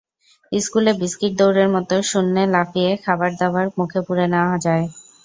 স্কুলে বিস্কুট দৌড়ের মতো শূন্যে লাফিয়ে খাবারদাবার মুখে পুরে নেওয়া যায়।